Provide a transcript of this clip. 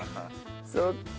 そっか。